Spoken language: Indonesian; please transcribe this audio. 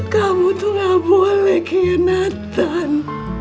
kamu tuh nggak boleh kianatan